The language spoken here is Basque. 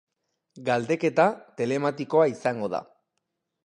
Galdeketa telematikoa izango da.